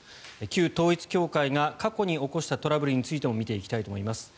旧統一教会が過去に起こしたトラブルについても見ていきたいと思います。